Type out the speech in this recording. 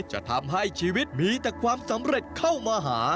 จะทำให้ชีวิตมีแต่ความสำเร็จเข้ามาหา